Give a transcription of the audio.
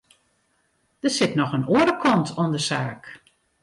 Der sit noch in oare kant oan de saak.